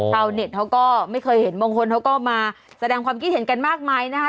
เน็ตเขาก็ไม่เคยเห็นบางคนเขาก็มาแสดงความคิดเห็นกันมากมายนะคะ